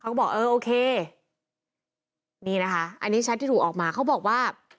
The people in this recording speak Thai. เขาบอกเออโอเคนี่นะคะอันนี้แชทที่ถูกออกมาเขาบอกว่า